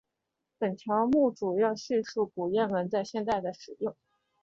本条目主要叙述古谚文在现代的使用。